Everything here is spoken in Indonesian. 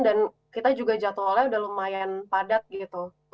dan kita juga jadwalnya udah lumayan padat gitu